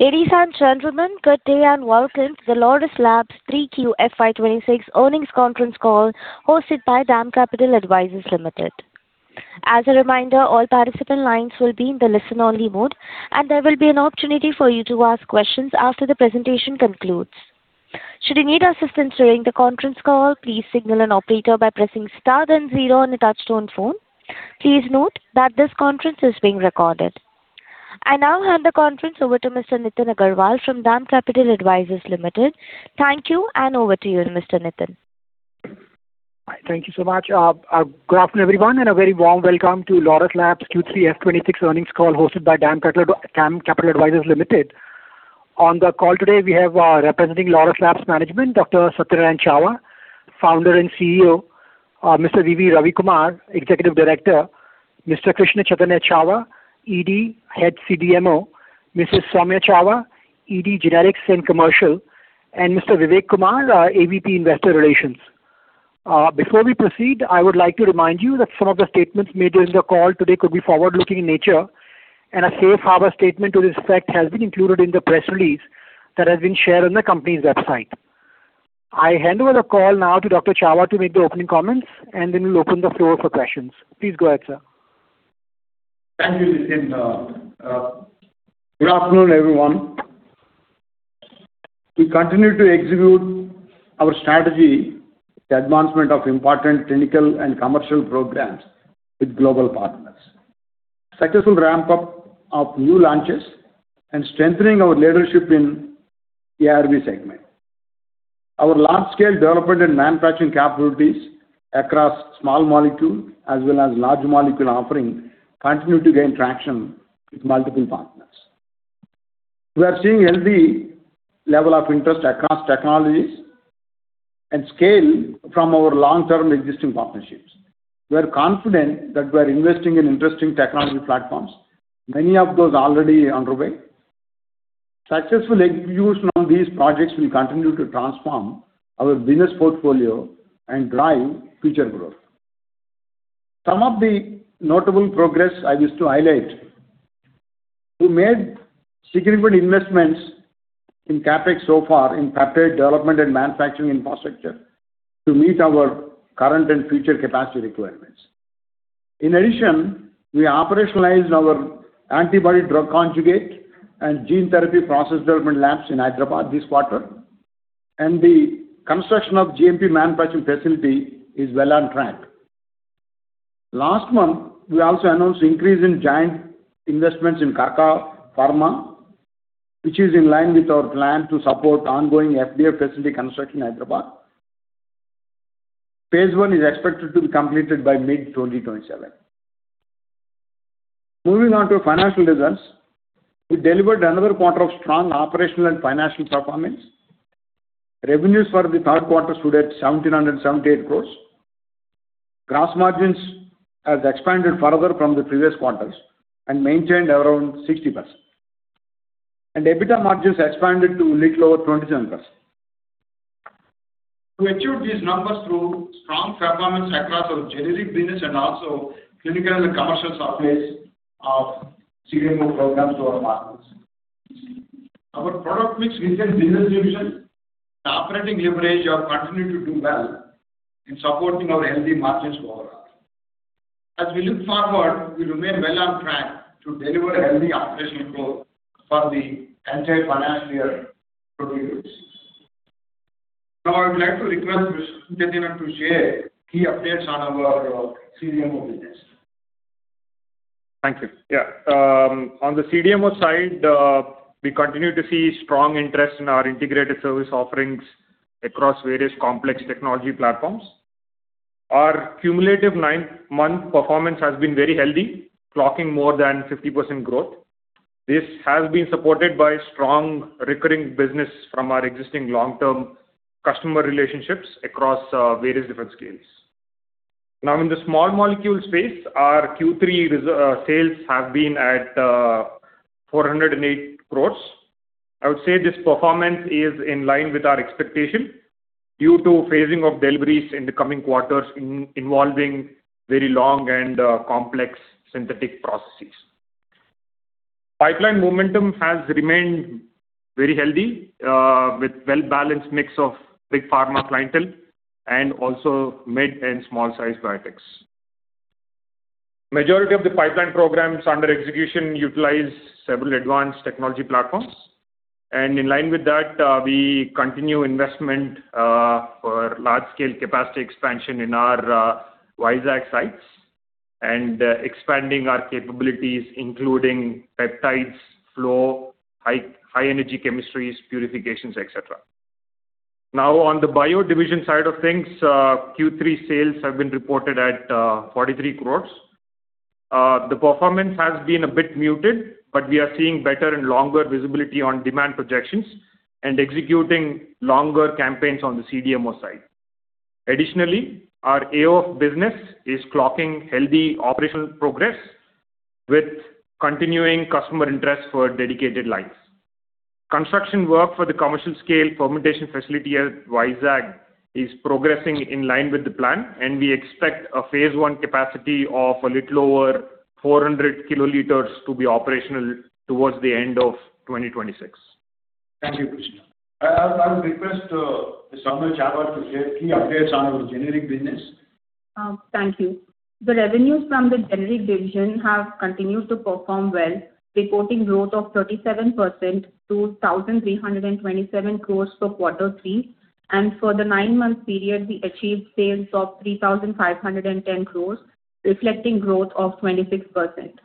Ladies and gentlemen, good day and welcome to the Laurus Labs 3Q FY 2026 Earnings Conference Call hosted by DAM Capital Advisors Limited. As a reminder, all participant lines will be in the listen-only mode, and there will be an opportunity for you to ask questions after the presentation concludes. Should you need assistance during the conference call, please signal an operator by pressing star then zero on the touchstone phone. Please note that this conference is being recorded. I now hand the conference over to Mr. Nitin Agarwal from DAM Capital Advisors Limited. Thank you, and over to you, Mr. Nitin. Thank you so much. Good afternoon, everyone, and a very warm welcome to Laurus Labs Q3 FY 2026 earnings call hosted by DAM Capital Advisors Limited. On the call today, we have representing Laurus Labs management, Dr. Satyanarayana Chava, Founder and CEO, Mr. V. V. Ravi Kumar, Executive Director, Mr. Krishna Chaitanya Chava, ED, Head CDMO, Mrs. Soumya Chava, ED, Generics and Commercial, and Mr. Vivek Kumar, AVP Investor Relations. Before we proceed, I would like to remind you that some of the statements made during the call today could be forward-looking in nature, and a safe harbor statement to this effect has been included in the press release that has been shared on the company's website. I hand over the call now to Dr. Chava to make the opening comments, and then we'll open the floor for questions. Please go ahead, sir. Thank you, Nitin. Good afternoon, everyone. We continue to execute our strategy to advancement of important clinical and commercial programs with global partners, successful ramp-up of new launches, and strengthening our leadership in the ARV segment. Our large-scale development and manufacturing capabilities across small molecule as well as large molecule offering continue to gain traction with multiple partners. We are seeing a healthy level of interest across technologies and scale from our long-term existing partnerships. We are confident that we are investing in interesting technology platforms, many of those already underway. Successful execution on these projects will continue to transform our business portfolio and drive future growth. Some of the notable progress I wish to highlight: we made significant investments in CapEx so far in peptide development and manufacturing infrastructure to meet our current and future capacity requirements. In addition, we operationalized our antibody-drug conjugate and gene therapy process development labs in Hyderabad this quarter, and the construction of GMP manufacturing facility is well on track. Last month, we also announced an increase in giant investments in KRKA, which is in line with our plan to support ongoing FDA facility construction in Hyderabad. Phase I is expected to be completed by mid-2027. Moving on to financial results, we delivered another quarter of strong operational and financial performance. Revenues for the third quarter stood at 1,778 crores. Gross margins have expanded further from the previous quarters and maintained around 60%. EBITDA margins expanded to a little over 27%. To achieve these numbers through strong performance across our generic business and also clinical and commercial supplies of CDMO programs to our partners. Our product mix within business division and operating leverage have continued to do well in supporting our healthy margins overall. As we look forward, we remain well on track to deliver healthy operational growth for the entire financial year 2026. Now, I would like to request Mr. Nitin to share key updates on our CDMO business. Thank you. Yeah. On the CDMO side, we continue to see strong interest in our integrated service offerings across various complex technology platforms. Our cumulative nine-month performance has been very healthy, clocking more than 50% growth. This has been supported by strong recurring business from our existing long-term customer relationships across various different scales. Now, in the small molecule space, our Q3 sales have been at 408 crore. I would say this performance is in line with our expectation due to phasing of deliveries in the coming quarters involving very long and complex synthetic processes. Pipeline momentum has remained very healthy with a well-balanced mix of big pharma clientele and also mid and small-sized biotechs. The majority of the pipeline programs under execution utilize several advanced technology platforms. In line with that, we continue investment for large-scale capacity expansion in our WSAC sites and expanding our capabilities, including peptides, flow, high-energy chemistries, purifications, etc. Now, on the bio division side of things, Q3 sales have been reported at 43 crore. The performance has been a bit muted, but we are seeing better and longer visibility on demand projections and executing longer campaigns on the CDMO side. Additionally, our AOF business is clocking healthy operational progress with continuing customer interest for dedicated lines. Construction work for the commercial-scale fermentation facility at WSAC is progressing in line with the plan, and we expect a phase I capacity of a little over 400 kiloliters to be operational towards the end of 2026. Thank you, Krishna. I would request Mrs. Soumya Chava to share key updates on our generic business. Thank you. The revenues from the generic division have continued to perform well, reporting growth of 37% to 1,327 crores for quarter three. For the nine-month period, we achieved sales of 3,510 crores, reflecting growth of 26%.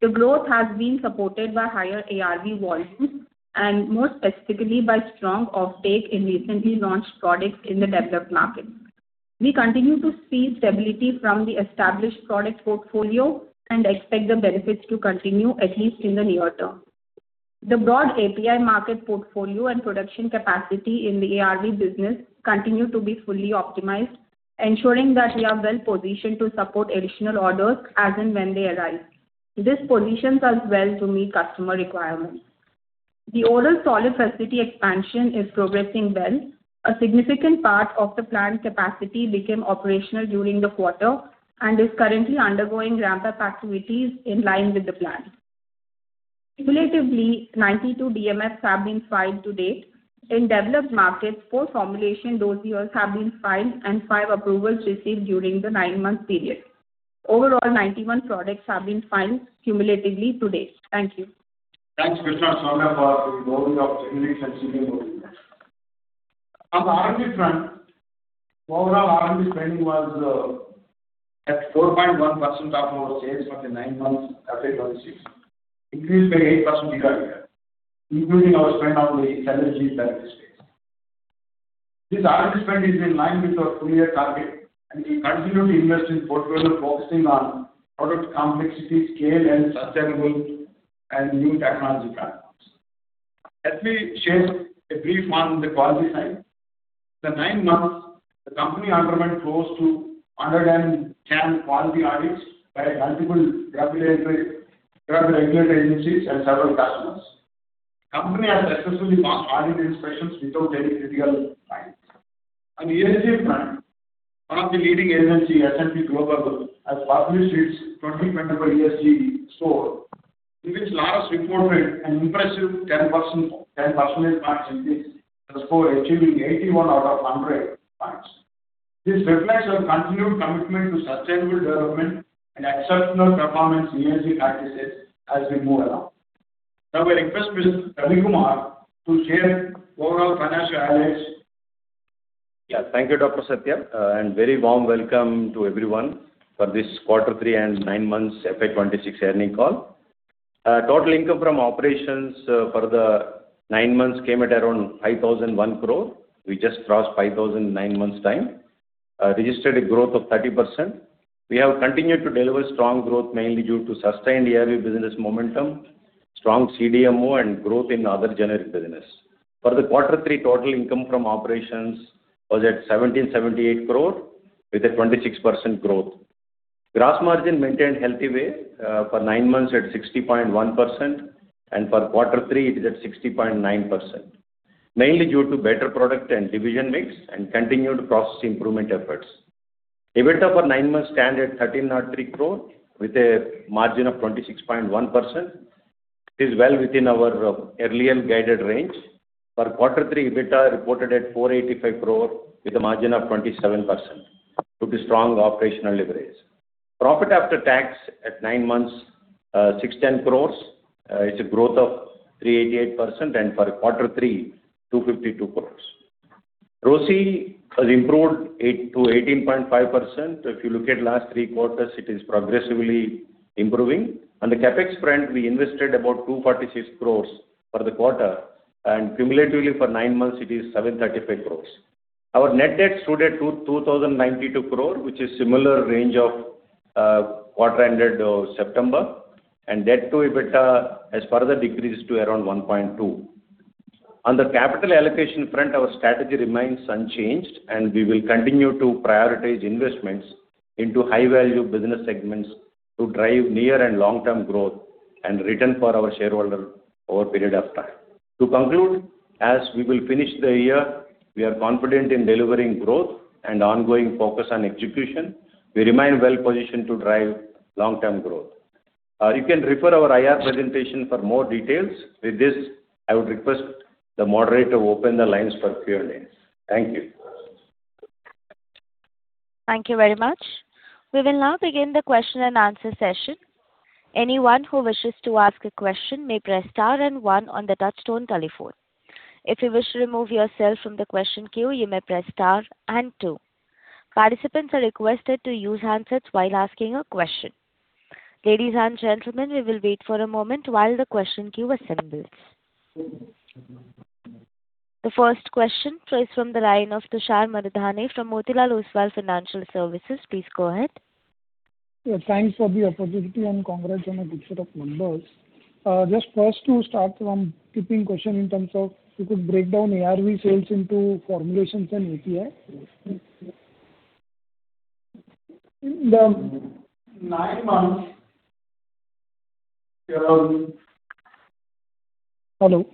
The growth has been supported by higher ARV volumes and, more specifically, by strong offtake in recently launched products in the developed markets. We continue to see stability from the established product portfolio and expect the benefits to continue, at least in the near term. The broad API market portfolio and production capacity in the ARV business continue to be fully optimized, ensuring that we are well-positioned to support additional orders as and when they arrive. This positions us well to meet customer requirements. The overall solid facility expansion is progressing well. A significant part of the planned capacity became operational during the quarter and is currently undergoing ramp-up activities in line with the plan. Cumulatively, 92 DMFs have been filed to date. In developed markets, four formulation doses have been filed and five approvals received during the nine-month period. Overall, 91 products have been filed cumulatively to date. Thank you. Thanks, Krishna and Soumya for the overview of generics and CDMO business. On the R&D front, overall R&D spending was at 4.1% of our sales for the nine months. The peptide research increased by 8% year-on-year, including our spend on the energy benefit space. This R&D spend is in line with our full-year target, and we continue to invest in portfolio focusing on product complexity, scale, and sustainable and new technology platforms. Let me share a brief one on the quality side. In the nine months, the company underwent close to 110 quality audits by multiple drug regulatory agencies and several customers. The company has successfully passed audit inspections without any critical findings. On the ESG front, one of the leading agencies, S&P Global, has published its 2024 ESG score, in which Laurus reported an impressive 10 percentage point increase in the score, achieving 81 out of 100 points. This reflects our continued commitment to sustainable development and exceptional performance in ESG practices as we move along. Now, I request Mr. Ravi Kumar to share overall financial highlights. Yeah, thank you, Dr. Satya, and very warm welcome to everyone for this quarter three and nine-month FY 2026 earnings call. Total income from operations for the nine months came at around 5,001 crores. We just crossed 5,000 crores in nine months' time, registered a growth of 30%. We have continued to deliver strong growth mainly due to sustained ARV business momentum, strong CDMO, and growth in other generic business. For the quarter three, total income from operations was at 1,778 crores, with a 26% growth. Gross margin maintained healthy way for nine months at 60.1%, and for quarter three, it is at 60.9%, mainly due to better product and division mix and continued process improvement efforts. EBITDA for nine months stands at 1,303 crores, with a margin of 26.1%. It is well within our early-year guided range. For quarter three, EBITDA reported at 485 crores, with a margin of 27%, due to strong operational leverage. Profit after tax at nine months: 610 crores. It's a growth of 388%, and for quarter three, 252 crores. ROCE has improved to 18.5%. If you look at the last three quarters, it is progressively improving. On the CapEx front, we invested about 246 crores for the quarter, and cumulatively for nine months, it is 735 crores. Our net debt stood at 2,092 crores, which is a similar range of quarter-ended September, and debt to EBITDA has further decreased to around 1.2. On the capital allocation front, our strategy remains unchanged, and we will continue to prioritize investments into high-value business segments to drive near and long-term growth and return for our shareholder over a period of time. To conclude, as we will finish the year, we are confident in delivering growth and ongoing focus on execution. We remain well-positioned to drive long-term growth. You can refer to our IR presentation for more details. With this, I would request the moderator to open the lines for a few minutes. Thank you. Thank you very much. We will now begin the question and answer session. Anyone who wishes to ask a question may press star and one on the touch-tone telephone. If you wish to remove yourself from the question queue, you may press star and two. Participants are requested to use handsets while asking a question. Ladies and gentlemen, we will wait for a moment while the question queue assembles. The first question comes from the line of Tushar Manudhane from Motilal Oswal Financial Services. Please go ahead. Thanks for the opportunity and congrats on a good set of numbers. Just first, to start with, a question in terms of, could you break down ARV sales into formulations and API. Hello.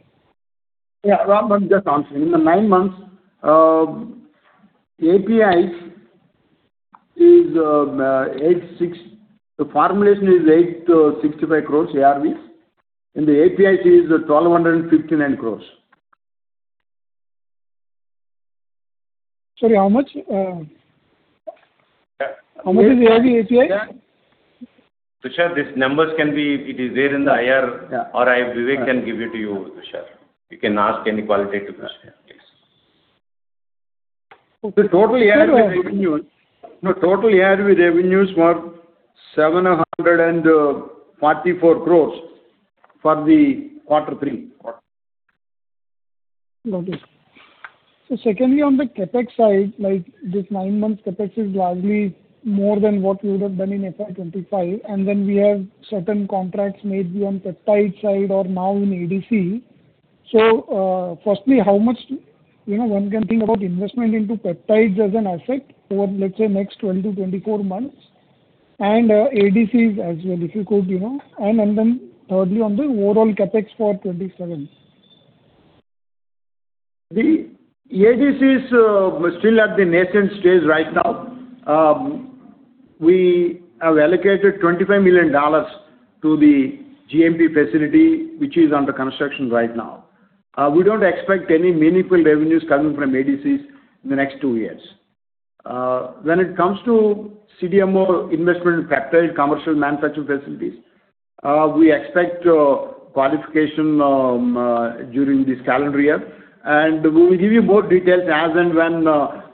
Yeah, I'm just answering. In the nine months, API is 86 crores. The formulation is 865 crores ARV. In the API, it is 1,259 crores. Sorry, how much? How much is the API? Tushar, these numbers can be. It is there in the IR, or I, Vivek, can give it to you, Tushar. You can ask any qualitative question. The total ARV revenues were 744 crores for the quarter three. Got it. So secondly, on the CapEx side, this nine month CapEx is largely more than what we would have done in FY 2025. And then we have certain contracts made on the peptide side or now in ADC. So firstly, how much one can think about investment into peptides as an asset over, let's say, the next 12-24 months? And ADCs as well, if you could. And then thirdly, on the overall CapEx for 2027. The ADC is still at the nascent stage right now. We have allocated $25 million to the GMP facility, which is under construction right now. We don't expect any meaningful revenues coming from ADCs in the next two years. When it comes to CDMO investment in peptide commercial manufacturing facilities, we expect qualification during this calendar year. We will give you more details as and when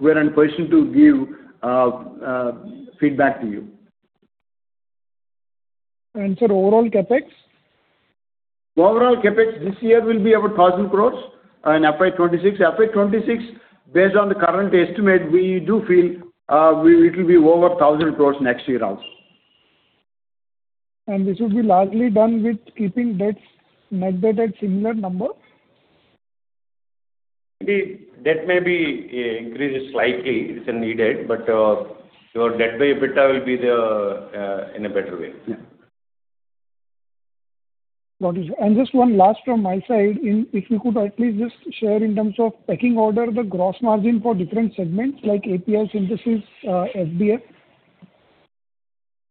we are in a position to give feedback to you. For overall CapEx? Overall CapEx this year will be about 1,000 crores in FY 2026. FY 2026, based on the current estimate, we do feel it will be over 1,000 crores next year also. This will be largely done with keeping net debt at similar number? Maybe debt may be increased slightly if it's needed, but your debt by EBITDA will be in a better way. Got it. And just one last from my side, if you could at least just share in terms of pecking order the gross margin for different segments like API, synthesis, FBF?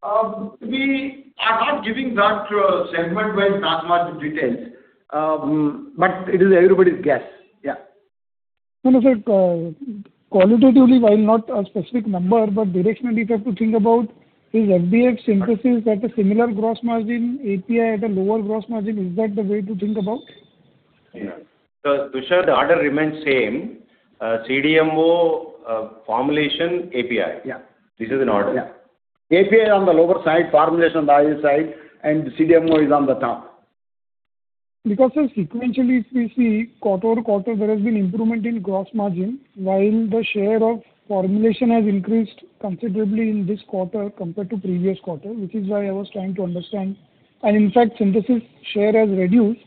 I'm not giving that segment-wise gross margin details, but it is everybody's guess. Yeah. Qualitatively, while not a specific number, but directionally if you have to think about, is FBF, synthesis at a similar gross margin, API at a lower gross margin? Is that the way to think about? Tushar, the order remains same. CDMO, formulation, API. This is an order. API on the lower side, formulation on the higher side, and CDMO is on the top. Because sequentially, we see quarter-to-quarter, there has been improvement in gross margin, while the share of formulation has increased considerably in this quarter compared to the previous quarter, which is why I was trying to understand. In fact, synthesis share has reduced,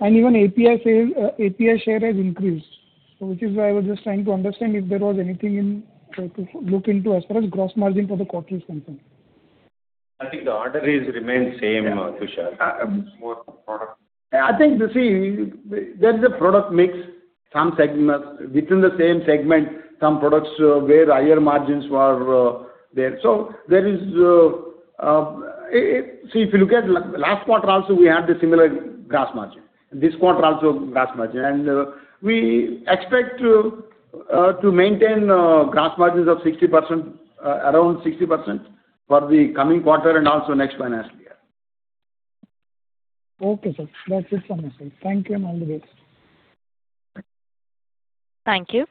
and even API share has increased, which is why I was just trying to understand if there was anything to look into as far as gross margin for the quarter is concerned. I think the order remains same, Tushar. I think, you see, there is a product mix within the same segment, some products where higher margins were there. So there is, see, if you look at last quarter, also we had the similar gross margin. This quarter also, gross margin. And we expect to maintain gross margins of 60%, around 60%, for the coming quarter and also next financial year. Okay, sir. That's it from my side. Thank you and all the best. Thank you.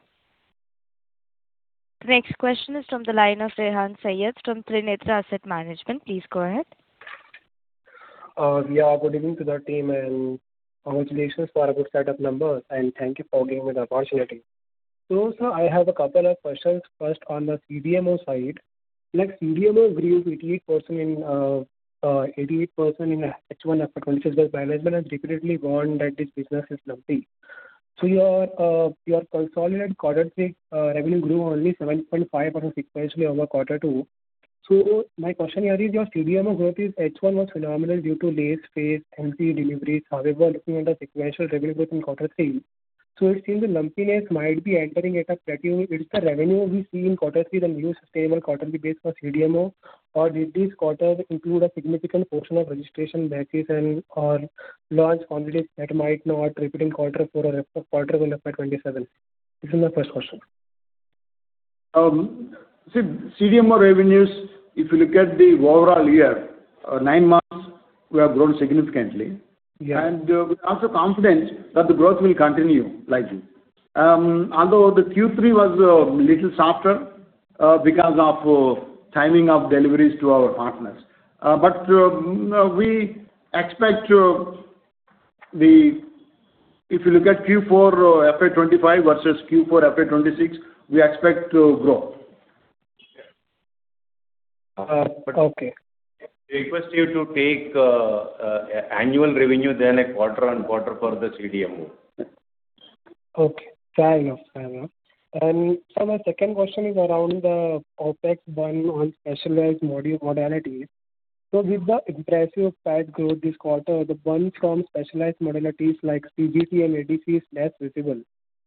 Next question is from the line of Rehan Saiyyed from Trinetra Asset Management. Please go ahead. Yeah, good evening to the team, and congratulations for a good set of numbers, and thank you for giving me the opportunity. So, sir, I have a couple of questions. First, on the CDMO side, CDMO grew 88% in H1 FY 2026-based management and repeatedly warned that this business is lumpy. So your consolidated quarter three revenue grew only 7.5% sequentially over quarter two. So my question here is, your CDMO growth in H1 was phenomenal due to late space, MCU deliveries. However, looking at the sequential revenue growth in quarter three, so it seems the lumpiness might be entering at a plateau. Is the revenue we see in quarter three the new sustainable quarterly base for CDMO, or did this quarter include a significant portion of registration batches or large quantities that might not repeat in quarter four or quarter of FY 2027? This is my first question. See, CDMO revenues, if you look at the overall year, nine months, we have grown significantly. We are also confident that the growth will continue like this. Although the Q3 was a little softer because of timing of deliveries to our partners. We expect the—if you look at Q4 FY 2025 versus Q4 FY 2026, we expect to grow. Okay. We request you to take annual revenue then a quarter-on-quarter for the CDMO. Okay. Fair enough. Fair enough. And sir, my second question is around the OpEx burn on specialized modalities. So with the impressive PAD growth this quarter, the burn from specialized modalities like CGT and ADC is less visible.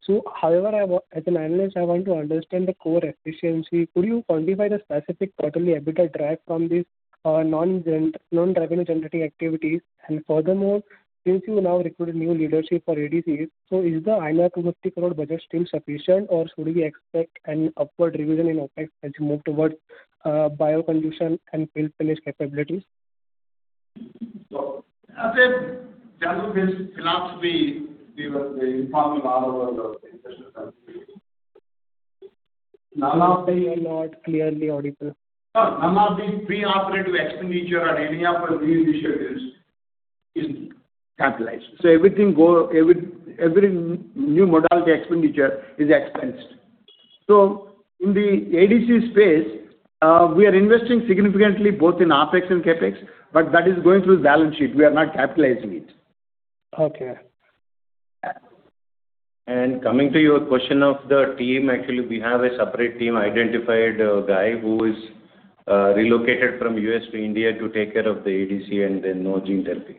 So however, as an analyst, I want to understand the core efficiency. Could you quantify the specific quarterly EBITDA drive from these non-revenue-generating activities? And furthermore, since you now recruited new leadership for ADCs, so is the INR 250 crore budget still sufficient, or should we expect an upward revision in OpEx as you move towards bioconjugation and fill-finish capabilities? That's a Laurus philosophy we were informed about a lot of our investment companies. None of them are not clearly audited. None of these pre-operative expenditures or any of our new initiatives is capitalized. So every new modality expenditure is expensed. So in the ADC space, we are investing significantly both in OpEx and CapEx, but that is going through the balance sheet. We are not capitalizing it. Okay. Coming to your question of the team, actually, we have a separate team identified, a guy who is relocated from U.S. to India to take care of the ADC and then Noorjeen Dhilpe.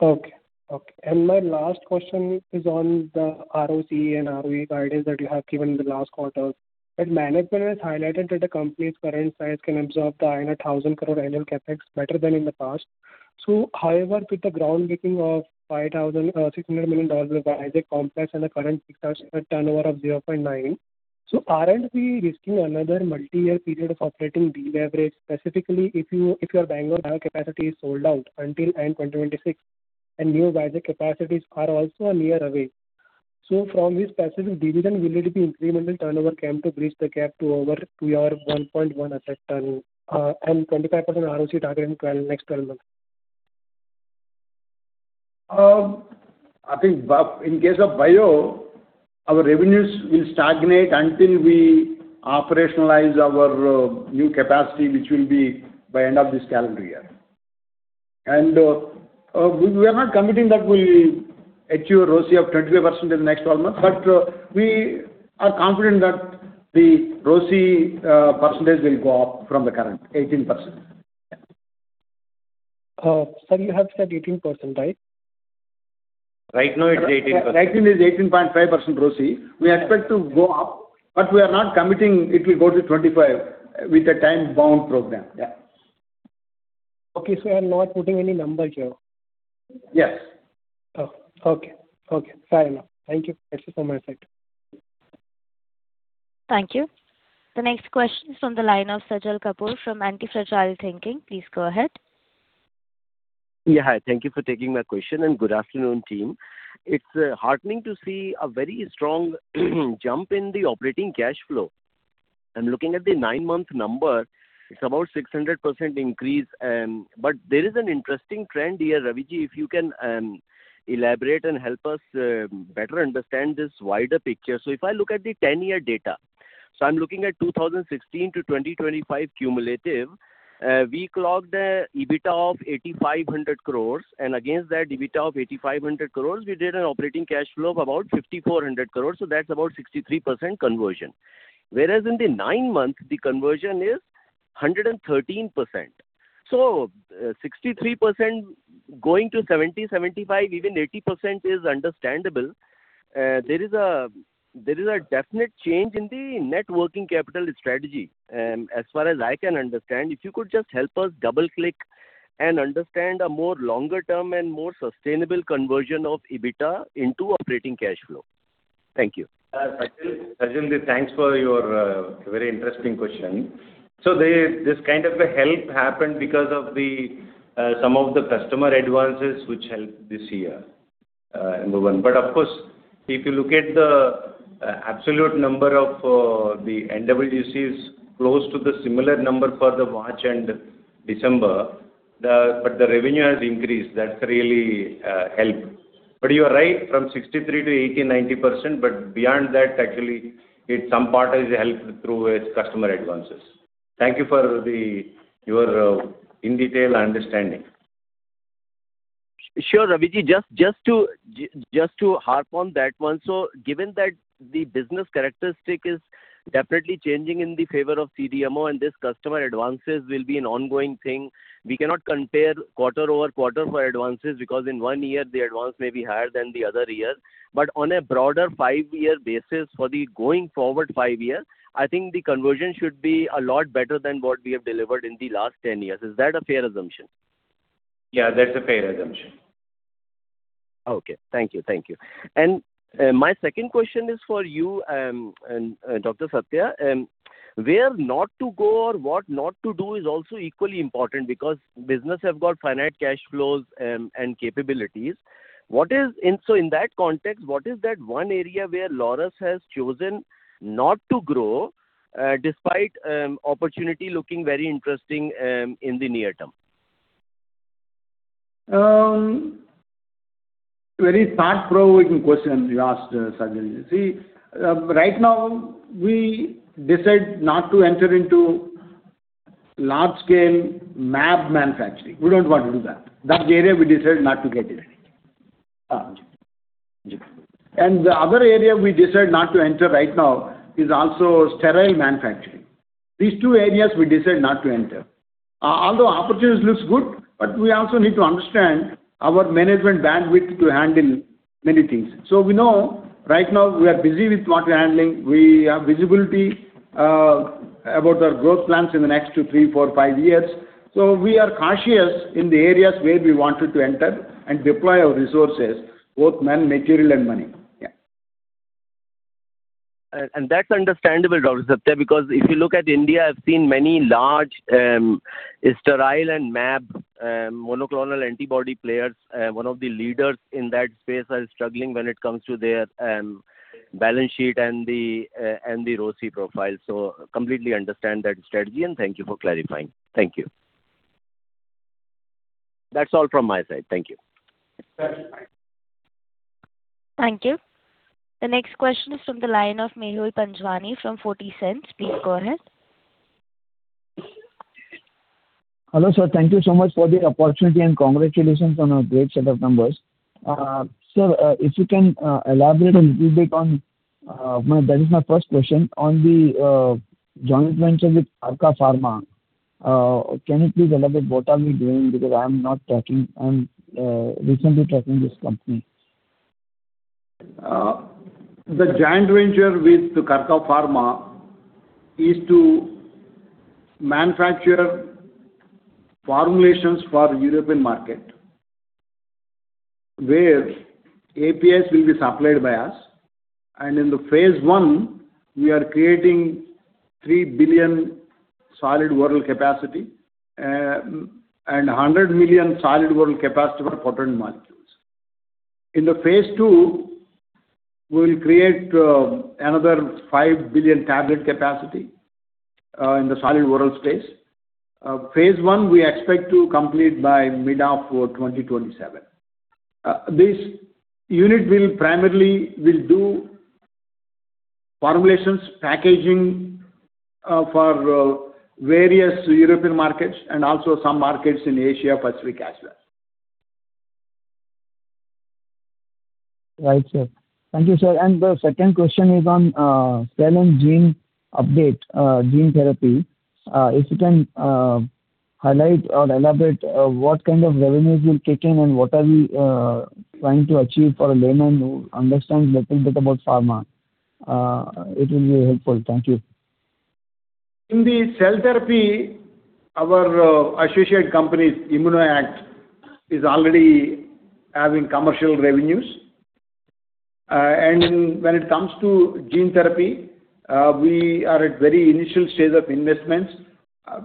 Okay. Okay. And my last question is on the ROC and ROE guidance that you have given in the last quarter. But management has highlighted that the company's current size can absorb the 1,000 crore annual CapEx better than in the past. So however, with the groundbreaking of $5.6 billion by Vizag Complex and the current turnovers of 0.9, so aren't we risking another multi-year period of operating de-leverage? Specifically, if your Bengal Bio capacity is sold out until end 2026, and new Vizag capacities are also a year away, so from this specific division, will it be incremental turnover came to bridge the gap to your 1.1 asset turnover and 25% ROC target in the next 12 months? I think in case of bio, our revenues will stagnate until we operationalize our new capacity, which will be by the end of this calendar year. We are not committing that we will achieve a ROC of 25% in the next 12 months, but we are confident that the ROC percentage will go up from the current 18%. Sir, you have said 18%, right? Right now, it's 18%. Right now, it's 18.5% ROC. We expect to go up, but we are not committing it will go to 25 with a time-bound program. Yeah. Okay. So we are not putting any numbers here? Yes. Okay. Okay. Fair enough. Thank you. That's it from my side. Thank you. The next question is from the line of Sajal Kapoor from Antifragile Thinking. Please go ahead. Yeah. Hi. Thank you for taking my question, and good afternoon, team. It's heartening to see a very strong jump in the operating cash flow. I'm looking at the nine-month number. It's about 600% increase. But there is an interesting trend here, Raviji, if you can elaborate and help us better understand this wider picture. So if I look at the 10-year data, so I'm looking at 2016 to 2025 cumulative, we clocked an EBITDA of 8,500 crores. And against that EBITDA of 8,500 crores, we did an operating cash flow of about 5,400 crores. So that's about 63% conversion. Whereas in the nine months, the conversion is 113%. So 63% going to 70%, 75%, even 80% is understandable. There is a definite change in the net working capital strategy. As far as I can understand, if you could just help us double-click and understand a more longer-term and more sustainable conversion of EBITDA into operating cash flow. Thank you. Sajal, thanks for your very interesting question. So this kind of help happened because of some of the customer advances which helped this year. But of course, if you look at the absolute number of the NWCs close to the similar number for the March and December, but the revenue has increased. That's really helped. But you are right, from 63% to 80%, 90%, but beyond that, actually, some part is helped through customer advances. Thank you for your in detail understanding. Sure, Raviji. Just to harp on that one, so given that the business characteristic is definitely changing in the favor of CDMO, and these customer advances will be an ongoing thing, we cannot compare quarter-over-quarter for advances because in one year, the advance may be higher than the other year. But on a broader five-year basis for the going forward five years, I think the conversion should be a lot better than what we have delivered in the last 10 years. Is that a fair assumption? Yeah, that's a fair assumption. Okay. Thank you. Thank you. My second question is for you, Dr. Satya. Where not to go or what not to do is also equally important because businesses have got finite cash flows and capabilities. So in that context, what is that one area where Laurus has chosen not to grow despite opportunity looking very interesting in the near term? Very thought-provoking question you asked, Sajal. See, right now, we decide not to enter into large-scale mAb manufacturing. We don't want to do that. That area, we decide not to get in. The other area we decide not to enter right now is also sterile manufacturing. These two areas we decide not to enter. Although opportunity looks good, but we also need to understand our management bandwidth to handle many things. So we know right now we are busy with what we are handling. We have visibility about our growth plans in the next two, three, four, five years. So we are cautious in the areas where we wanted to enter and deploy our resources, both material and money. Yeah. That's understandable, Laurus Satya, because if you look at India, I've seen many large sterile and mAb monoclonal antibody players. One of the leaders in that space are struggling when it comes to their balance sheet and the ROCE profile. So completely understand that strategy, and thank you for clarifying. Thank you. That's all from my side. Thank you. Thank you. The next question is from the line of Mehul Panjwani from 40 Cents. Please go ahead. Hello, sir. Thank you so much for the opportunity and congratulations on a great set of numbers. Sir, if you can elaborate a little bit on that, that is my first question. On the joint venture with KRKA, can you please elaborate what are we doing? Because I am not tracking. I'm recently tracking this company. The joint venture with KRKA is to manufacture formulations for the European market where APIs will be supplied by us. In the phase I, we are creating 3 billion solid oral capacity and 100 million solid oral capacity for potent molecules. In the phase II, we will create another 5 billion tablet capacity in the solid oral space. Phase I, we expect to complete by mid-2027. This unit will primarily do formulations packaging for various European markets and also some markets in Asia Pacific as well. Right, sir. Thank you, sir. And the second question is on cell and gene update, gene therapy. If you can highlight or elaborate what kind of revenues will kick in and what are we trying to achieve for a layman who understands a little bit about pharma, it will be helpful. Thank you. In the cell therapy, our associate company, ImmunoAct, is already having commercial revenues. When it comes to gene therapy, we are at very initial stage of investments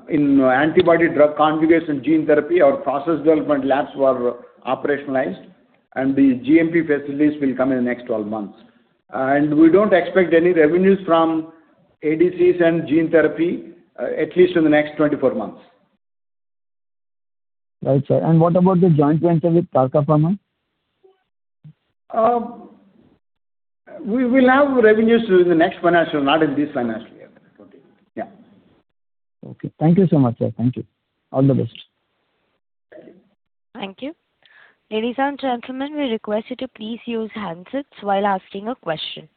in antibody drug conjugation gene therapy. Our process development labs were operationalized, and the GMP facilities will come in the next 12 months. We don't expect any revenues from ADCs and gene therapy, at least in the next 24 months. Right, sir. And what about the joint venture with KRKA? We will have revenues in the next financial, not in this financial year. Yeah. Okay. Thank you so much, sir. Thank you. All the best. Thank you. Thank you. Ladies and gentlemen, we request you to please use handsets while asking a question.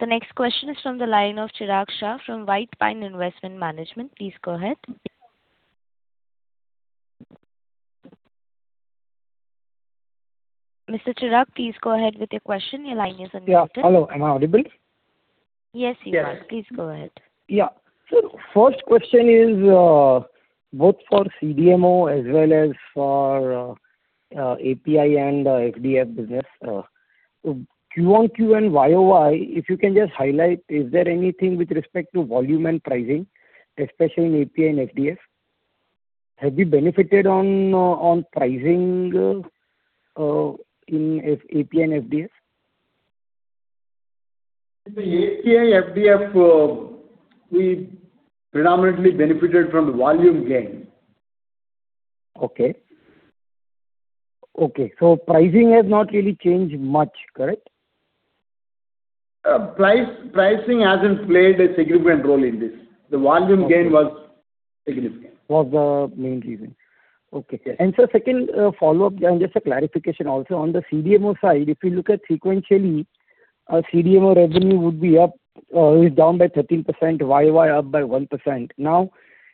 The next question is from the line of Chirag Shah from White Pine Investment Management. Please go ahead. Mr. Chirag, please go ahead with your question. Your line is unmuted. Hello. Am I audible? Yes, you are. Please go ahead. Yeah. So first question is both for CDMO as well as for API and FDF business. Q1, Q1, YOY, if you can just highlight, is there anything with respect to volume and pricing, especially in API and FDF? Have we benefited on pricing in API and FDF? In the API, FDF, we predominantly benefited from the volume gain. Okay. Okay. So pricing has not really changed much, correct? Pricing hasn't played a significant role in this. The volume gain was significant. Was the main reason. Okay. Sir, second follow-up, just a clarification also on the CDMO side. If you look at sequentially, CDMO revenue would be up, is down by 13%, YOY up by 1%. Now,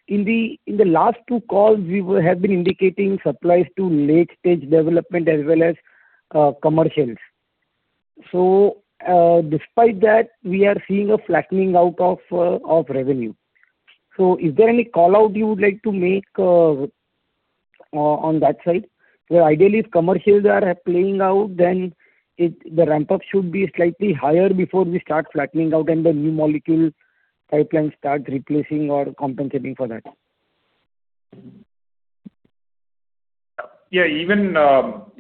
in the last two calls, we have been indicating supplies to late-stage development as well as commercials. So despite that, we are seeing a flattening out of revenue. So is there any callout you would like to make on that side? The ideal is commercials are playing out, then the ramp-up should be slightly higher before we start flattening out and the new molecule pipeline starts replacing or compensating for that. Yeah. Even while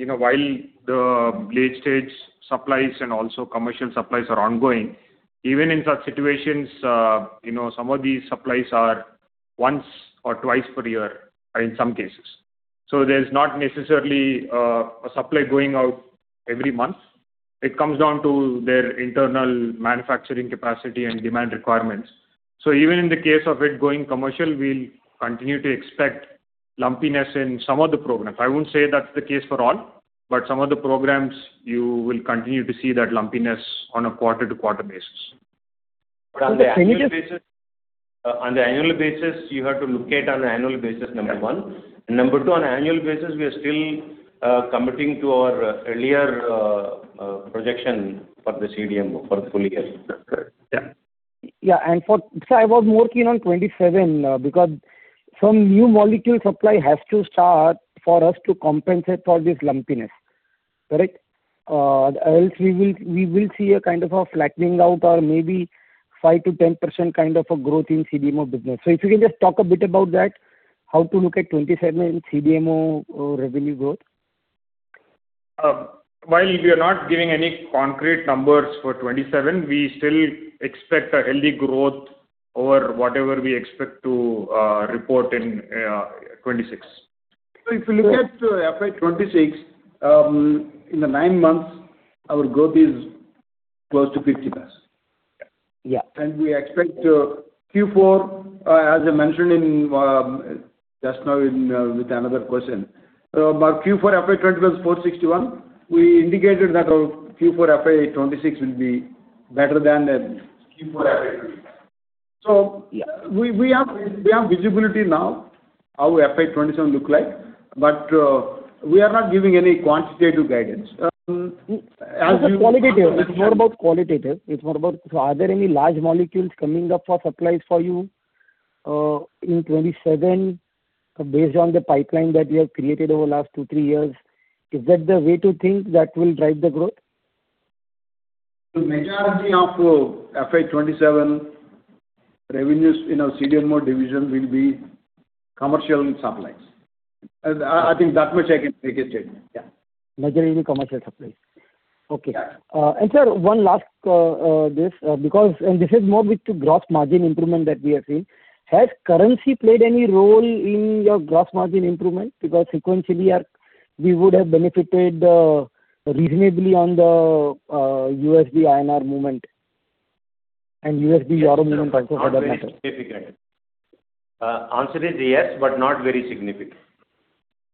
the late-stage supplies and also commercial supplies are ongoing, even in such situations, some of these supplies are once or twice per year in some cases. So there's not necessarily a supply going out every month. It comes down to their internal manufacturing capacity and demand requirements. So even in the case of it going commercial, we'll continue to expect lumpiness in some of the programs. I won't say that's the case for all, but some of the programs, you will continue to see that lumpiness on a quarter-to-quarter basis. On the annual basis, you have to look at on the annual basis, number one. And number two, on the annual basis, we are still committing to our earlier projection for the CDMO for the full year. That's correct. Yeah. Yeah. And sir, I was more keen on 27 because some new molecule supply has to start for us to compensate for this lumpiness, correct? Else we will see a kind of a flattening out or maybe 5%-10% kind of a growth in CDMO business. So if you can just talk a bit about that, how to look at 27 in CDMO revenue growth? While we are not giving any concrete numbers for 2027, we still expect a healthy growth over whatever we expect to report in 2026. So if you look at FY 2026, in the nine months, our growth is close to 50%. And we expect Q4, as I mentioned just now with another question, about Q4 FY 2027, we indicated that our Q4 FY 2026 will be better than Q4 FY 2026. So we have visibility now how FY 2027 looks like, but we are not giving any quantitative guidance. It's qualitative. It's more about qualitative. It's more about, are there any large molecules coming up for supplies for you in 27 based on the pipeline that you have created over the last two, three years? Is that the way to think that will drive the growth? The majority of FI27 revenues in our CDMO division will be commercial supplies. I think that much I can make a statement. Yeah. Majority commercial supplies. Okay. And sir, one last this, because this is more with the gross margin improvement that we have seen. Has currency played any role in your gross margin improvement? Because sequentially, we would have benefited reasonably on the USD-INR movement and USD-EUR movement also for that matter. Significant. Answer is yes, but not very significant.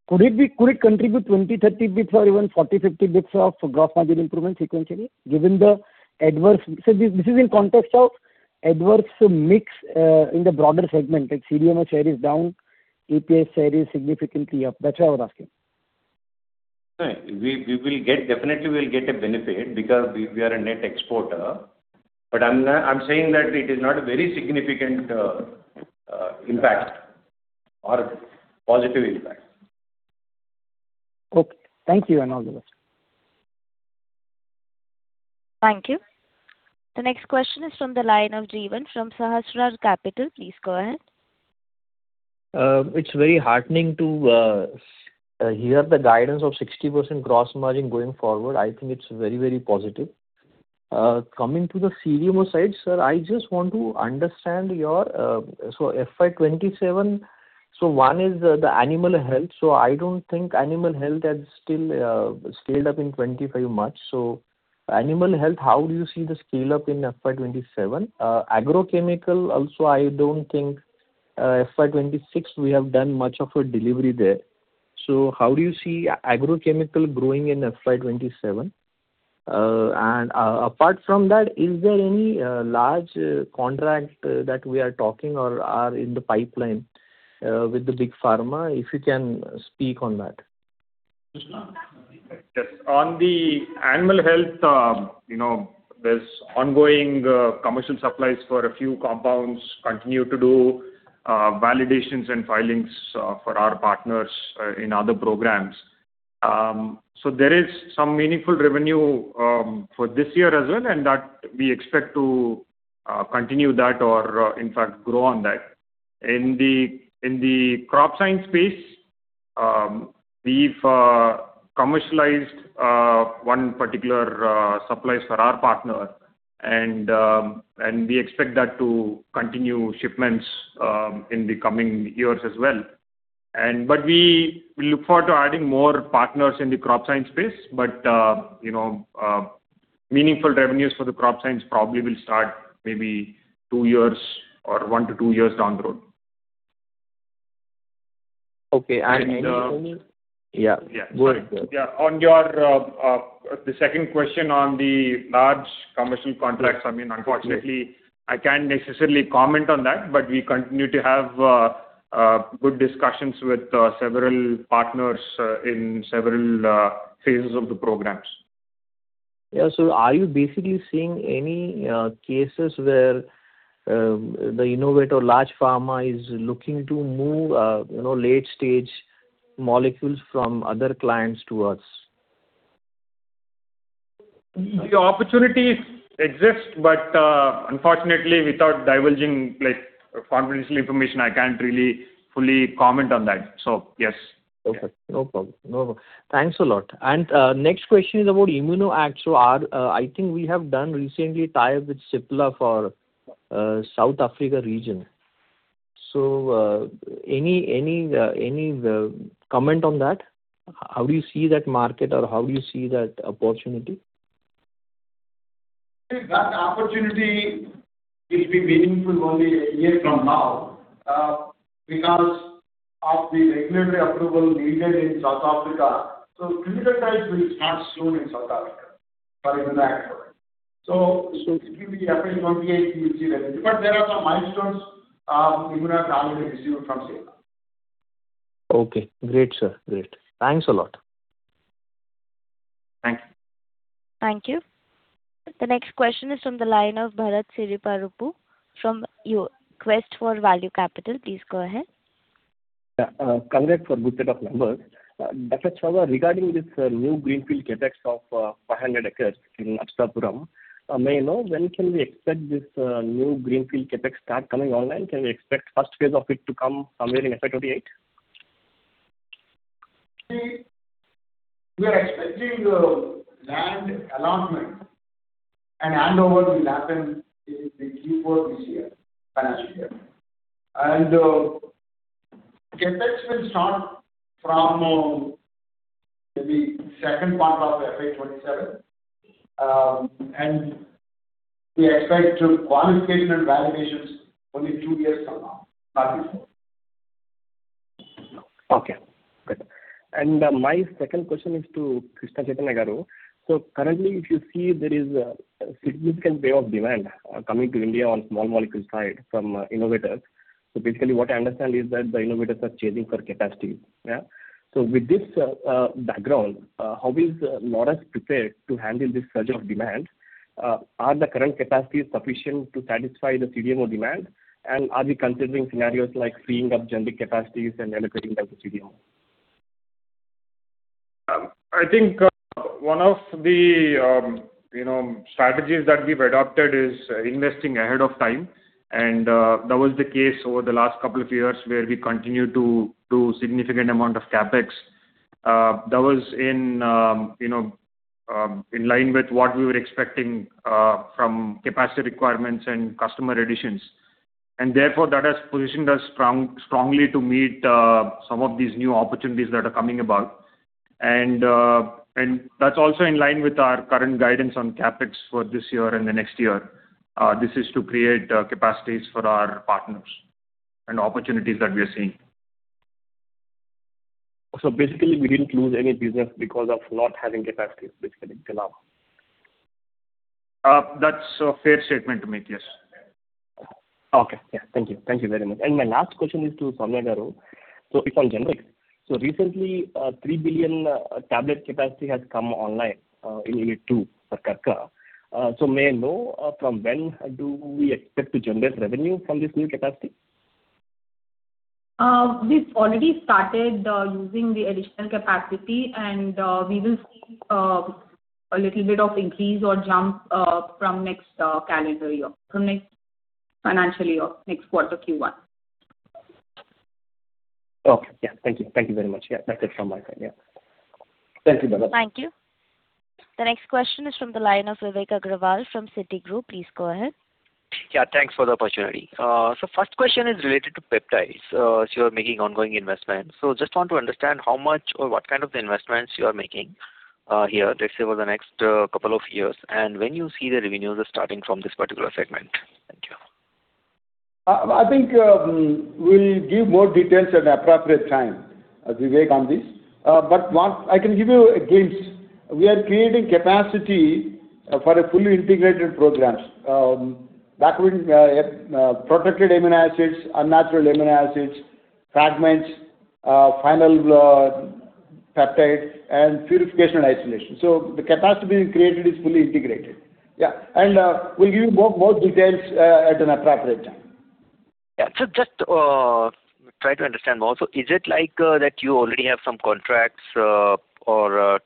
Could it contribute 20, 30 basis points or even 40, 50 basis points of gross margin improvement sequentially given the adverse? This is in context of adverse mix in the broader segment. CDMO share is down, APS share is significantly up. That's why I was asking. We will definitely get a benefit because we are a net exporter. But I'm saying that it is not a very significant impact or positive impact. Okay. Thank you and all the best. Thank you. The next question is from the line of Jeevan from Sahasrar Capital. Please go ahead. It's very heartening to hear the guidance of 60% gross margin going forward. I think it's very, very positive. Coming to the CDMO side, sir, I just want to understand your FY 2027, so one is the animal health. So I don't think animal health has still scaled up in '25 much. So animal health, how do you see the scale-up in FY 2027? Agrochemical also, I don't think FY 2026 we have done much of a delivery there. So how do you see agrochemical growing in FY 2027? And apart from that, is there any large contract that we are talking or are in the pipeline with the big pharma? If you can speak on that. Yes. On the animal health, there's ongoing commercial supplies for a few compounds, continue to do validations and filings for our partners in other programs. So there is some meaningful revenue for this year as well, and we expect to continue that or, in fact, grow on that. In the crop science space, we've commercialized one particular supplies for our partner, and we expect that to continue shipments in the coming years as well. But we look forward to adding more partners in the crop science space, but meaningful revenues for the crop science probably will start maybe two years or one to two years down the road. Okay. And. Yeah. Yeah. Good. Yeah. On the second question on the large commercial contracts, I mean, unfortunately, I can't necessarily comment on that, but we continue to have good discussions with several partners in several phases of the programs. Yeah. So are you basically seeing any cases where the innovator or large pharma is looking to move late-stage molecules from other clients to us? The opportunities exist, but unfortunately, without divulging confidential information, I can't really fully comment on that. So yes. Okay. No problem. No problem. Thanks a lot. And next question is about ImmunoAct. So I think we have done recently tie-up with Cipla for South Africa region. So any comment on that? How do you see that market or how do you see that opportunity? That opportunity will be meaningful only a year from now because of the regulatory approval needed in South Africa. So clinical trials will start soon in South Africa, for ImmunoAct. So it will be FY 2028, you will see that. But there are some milestones ImmunoAct already received from Cipla. Okay. Great, sir. Great. Thanks a lot. Thank you. Thank you. The next question is from the line of Bharat Siriparupu from Quest for Value Capital. Please go ahead. Yeah. Congrats for boosted numbers. Dr. Chava, regarding this new greenfield CapEx of 500 acres in Achutapuram, may I know when can we expect this new greenfield CapEx start coming online? Can we expect first phase of it to come somewhere in FY 2028? We are expecting land allotment, and handover will happen in the Q4 this year, financial year. CapEx will start from maybe second quarter of FY 2027, and we expect qualification and validations only two years from now, not before. Okay. Good. And my second question is to Krishna Chaitanya Chava. So currently, if you see there is a significant wave of demand coming to India on small molecule side from Innovators. So basically, what I understand is that the Innovators are chasing for capacity. Yeah. So with this background, how is Laurus prepared to handle this surge of demand? Are the current capacities sufficient to satisfy the CDMO demand? And are we considering scenarios like freeing up generic capacities and allocating them to CDMO? I think one of the strategies that we've adopted is investing ahead of time. That was the case over the last couple of years where we continued to do significant amount of CapEx. That was in line with what we were expecting from capacity requirements and customer additions. Therefore, that has positioned us strongly to meet some of these new opportunities that are coming about. That's also in line with our current guidance on CapEx for this year and the next year. This is to create capacities for our partners and opportunities that we are seeing. Basically, we didn't lose any business because of not having capacity basically till now? That's a fair statement to make, yes. Okay. Yeah. Thank you. Thank you very much. And my last question is to Soumya Garu. So if on generic, so recently, 3 billion tablet capacity has come online in year two for KRKA. So may I know from when do we expect to generate revenue from this new capacity? We've already started using the additional capacity, and we will see a little bit of increase or jump from next calendar year, from next financial year, next quarter Q1. Okay. Yeah. Thank you. Thank you very much. Yeah. That's it from my side. Yeah. Thank you, Bharat. Thank you. The next question is from the line of Vivek Agarwal from Citigroup. Please go ahead. Yeah. Thanks for the opportunity. So first question is related to peptides. So you are making ongoing investments. So just want to understand how much or what kind of investments you are making here, let's say, over the next couple of years, and when you see the revenues starting from this particular segment. Thank you. I think we'll give more details at an appropriate time, Vivek, on this. But I can give you a glimpse. We are creating capacity for fully integrated programs, protected amino acids, unnatural amino acids, fragments, final peptides, and purification isolation. So the capacity being created is fully integrated. Yeah. We'll give you more details at an appropriate time. Yeah. So just try to understand more. So is it like that you already have some contracts or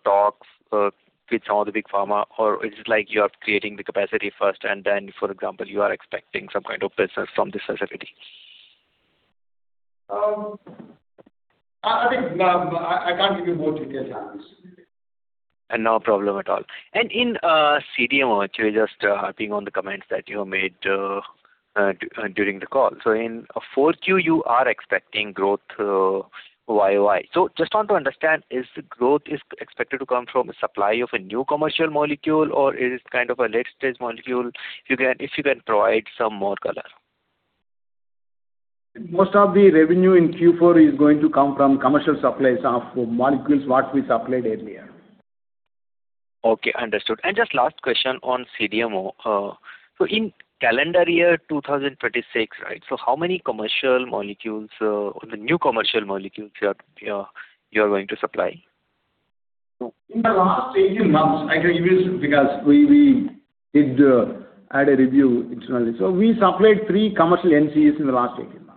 talks with some of the big pharma, or is it like you are creating the capacity first, and then, for example, you are expecting some kind of business from this facility? I think I can't give you more details on this. And no problem at all. And in CDMO, actually, just building on the comments that you made during the call. So in 4Q, you are expecting growth YOY. So just want to understand, is the growth expected to come from a supply of a new commercial molecule, or is it kind of a late-stage molecule? If you can provide some more color. Most of the revenue in Q4 is going to come from commercial supplies of molecules what we supplied earlier. Okay. Understood. And just last question on CDMO. So in calendar year 2026, right, so how many commercial molecules, the new commercial molecules you are going to supply? In the last 18 months, I can give you because we did add a review internally. We supplied three commercial NCs in the last 18 months.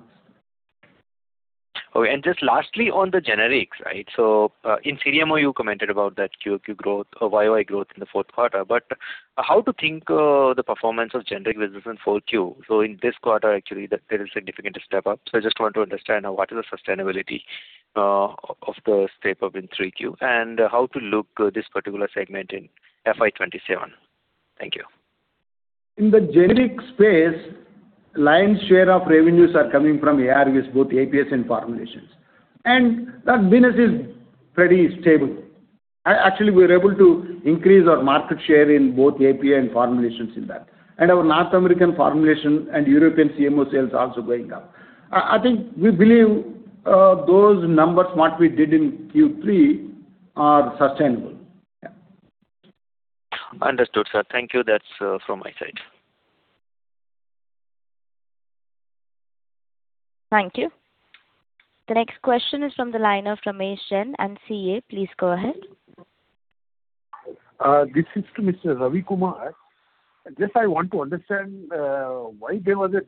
Okay. Just lastly on the generics, right? In CDMO, you commented about that Q2 growth, YOY growth in the fourth quarter. How to think the performance of generic business in 4Q? In this quarter, actually, there is a significant step up. I just want to understand what is the sustainability of the step up in 3Q, and how to look this particular segment in FY 2027? Thank you. In the generic space, lion's share of revenues are coming from ARVs, both APIs and formulations. That business is pretty stable. Actually, we are able to increase our market share in both API and formulations in that. Our North American formulation and European CMO sales are also going up. I think we believe those numbers what we did in Q3 are sustainable. Yeah. Understood, sir. Thank you. That's from my side. Thank you. The next question is from the line of Ramesh, a CA. Please go ahead. This is to Mr. Ravi Kumar. Just I want to understand why there was a,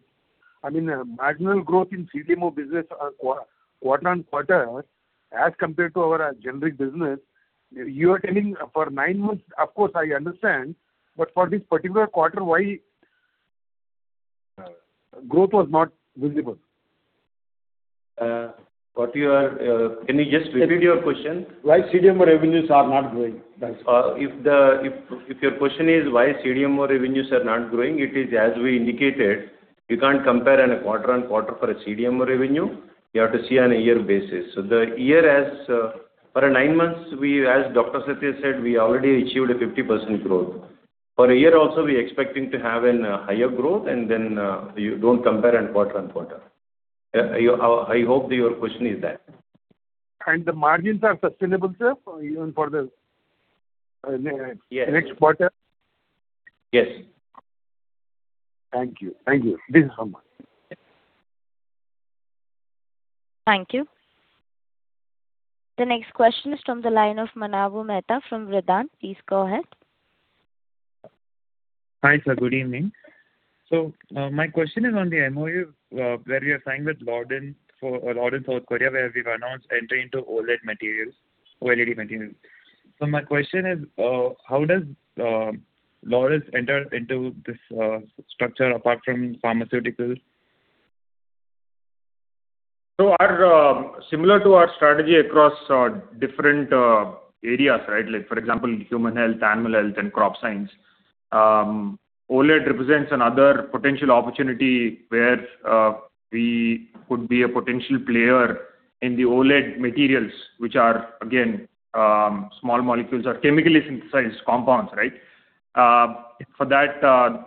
I mean, marginal growth in CDMO business quarter on quarter as compared to our generic business. You are telling for nine months, of course, I understand, but for this particular quarter, why growth was not visible? Can you just repeat your question? Why CDMO revenues are not growing? If your question is why CDMO revenues are not growing, it is as we indicated, you can't compare on a quarter-on-quarter for a CDMO revenue. You have to see on a year basis. So the year as for nine months, as Dr. Satya said, we already achieved a 50% growth. For a year also, we are expecting to have a higher growth, and then you don't compare on quarter-on-quarter. I hope your question is that. The margins are sustainable, sir, even for the next quarter? Yes. Thank you. Thank you. This is from me. Thank you. The next question is from the line of Manav Mehta from Vriddhi. Please go ahead. Hi, sir. Good evening. So my question is on the MOU where we are signing with LCS South Korea, where we've announced entry into OLED materials, OLED materials. So my question is, how does Laurus enter into this structure apart from pharmaceutical? So similar to our strategy across different areas, right? For example, human health, animal health, and crop science, OLED represents another potential opportunity where we could be a potential player in the OLED materials, which are, again, small molecules or chemically synthesized compounds, right? For that,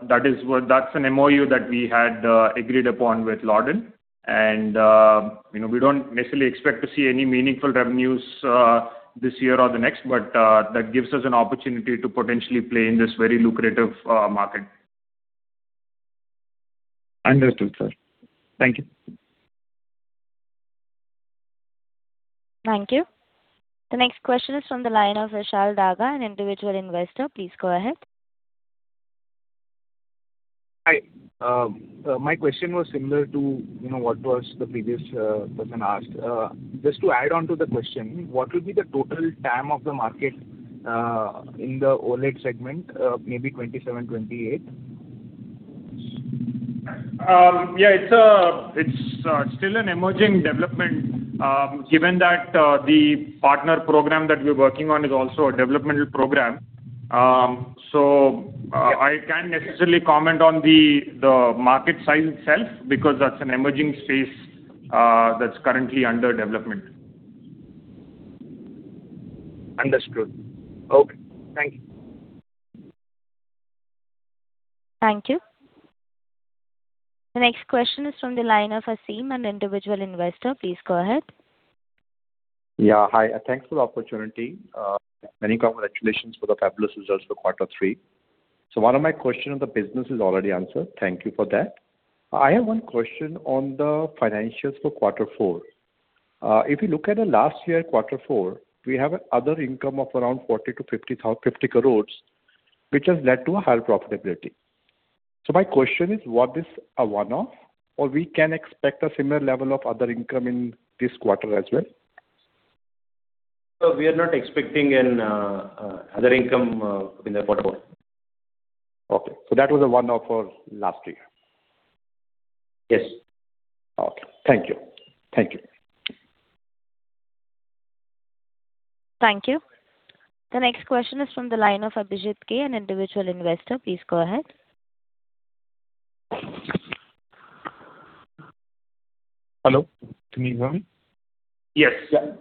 that's an MOU that we had agreed upon with LCS. And we don't necessarily expect to see any meaningful revenues this year or the next, but that gives us an opportunity to potentially play in this very lucrative market. Understood, sir. Thank you. Thank you. The next question is from the line of Vishal Dhaga, an individual investor. Please go ahead. Hi. My question was similar to what was the previous person asked. Just to add on to the question, what will be the total time of the market in the OLED segment, maybe 2027, 2028? Yeah. It's still an emerging development given that the partner program that we're working on is also a developmental program. So I can't necessarily comment on the market size itself because that's an emerging space that's currently under development. Understood. Okay. Thank you. Thank you. The next question is from the line of Aseem, an individual investor. Please go ahead. Yeah. Hi. Thanks for the opportunity. Many congratulations for the fabulous results for quarter three. So one of my questions on the business is already answered. Thank you for that. I have one question on the financials for quarter four. If you look at the last year, quarter four, we have other income of around 40-50 crores, which has led to higher profitability. So my question is, what is a one-off, or we can expect a similar level of other income in this quarter as well? We are not expecting another income in the quarter four. Okay. So that was a one-off for last year? Yes. Okay. Thank you. Thank you. Thank you. The next question is from the line of Abhijit K, an individual investor. Please go ahead. Hello. Can you hear me? Yes. Yeah.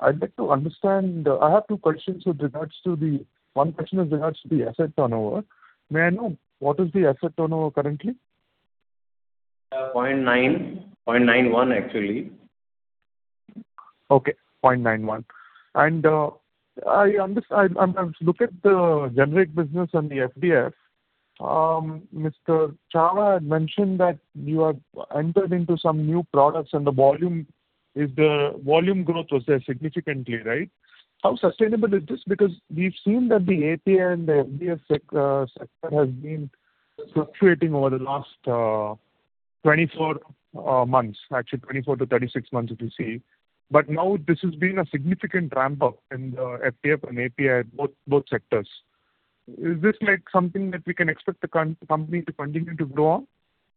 I'd like to understand. I have two questions with regards to the one question with regards to the asset turnover. May I know what is the asset turnover currently? 0.91, actually. Okay. 0.91. And I look at the generic business and the FDF. Mr. Chava had mentioned that you have entered into some new products, and the volume growth was there significantly, right? How sustainable is this? Because we've seen that the APA and the FDF sector has been fluctuating over the last 24 months, actually 24-36 months, if you see. But now this has been a significant ramp-up in the FDF and APA, both sectors. Is this something that we can expect the company to continue to grow on?